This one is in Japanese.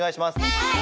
はい！